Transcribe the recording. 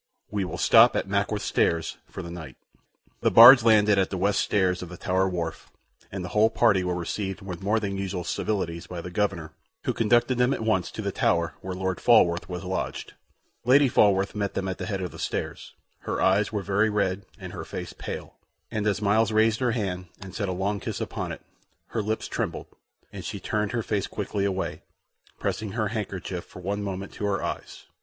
"We will stop at Mackworth stairs for the knight." The barge landed at the west stairs of the Tower wharf, and the whole party were received with more than usual civilities by the Governor, who conducted them at once to the Tower where Lord Falworth was lodged. Lady Falworth met them at the head of the stairs; her eyes were very red and her face pale, and as Myles raised her hand and set a long kiss upon it, her lips trembled, and she turned her face quickly away, pressing her handkerchief for one moment to her eyes.